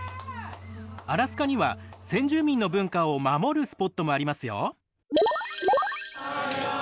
アラスカには先住民の文化を守るスポットもありますよ！